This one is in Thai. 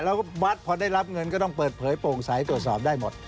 แล้วก็วัดพอได้รับเงินก็ต้องเปิดเผยโปร่งใสตรวจสอบได้หมด